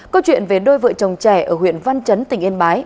câu chuyện về đôi vợ chồng trẻ ở huyện văn chấn tỉnh yên bái